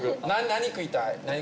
何食いたい？